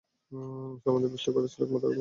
মুসলমানদের পিষ্ট করাই ছিল তার একমাত্র অঙ্গীকার।